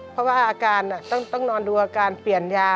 เพราะว่าอาการต้องนอนดูอาการเปลี่ยนยา